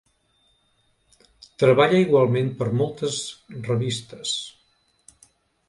Treballa igualment per a moltes revistes.